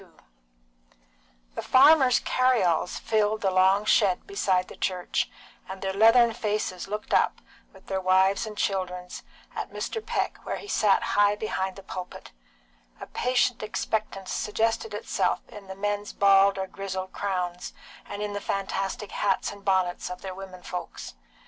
XXII. The farmers' carry alls filled the long shed beside the church, and their leathern faces looked up, with their wives' and children's, at Mr. Peck where he sat high behind the pulpit; a patient expectance suggested itself in the men's bald or grizzled crowns, and in the fantastic hats and bonnets of their women folks.